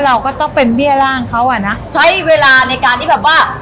เราก็ต้องเป็นเบี้ยร่างเขาอ่ะนะใช้เวลาในการที่แบบว่า